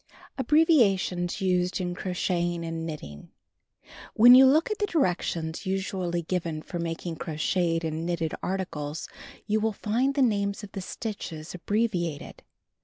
ABBREVIATIONS USED IN CROCHETING AND KNITTING When you look at the directions usually given for making crocheted and knitted articles you will find the names of the stitches abbreviated.